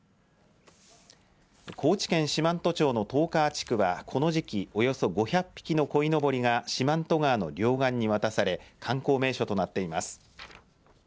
高知県四万十町の十川地区はこの時期およそ５００匹のこいのぼりが四万十川の両岸に渡され観光名所となっています。